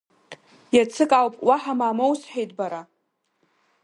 Иацык ауп, уаҳа мамоу сҳәеит, бара!